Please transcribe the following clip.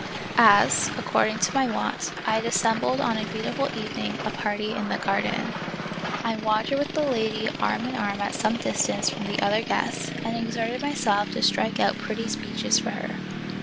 As, according to my wont, I had assembled on a beautiful evening a party in a garden, I wandered with the lady arm in arm at some distance from the other guests and exerted myself to strike out pretty speeches for her.